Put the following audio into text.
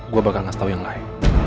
gue bakal ngasih tau yang lain